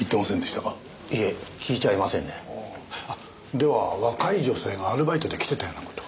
では若い女性がアルバイトで来てたような事は？